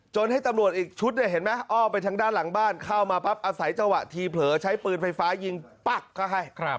จนให้ตำรวจออกออกไปทางด้านหลังบ้านเข้ามาปั๊บอาศัยเจ้าหวะที่เผลอใช้ปืนไฟฟ้ายิงปั๊กเขาให้